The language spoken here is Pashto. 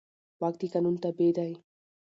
واک د قانون تابع دی.